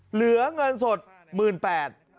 เหลือเงินสดหมื่นแปด